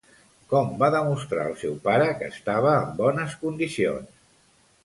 Com va demostrar el seu pare que estava en bones condicions?